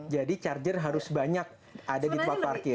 jadi charger harus banyak ada di tempat parkir